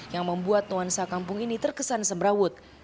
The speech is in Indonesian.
yang membuat nuansa kampung ini terkesan semrawut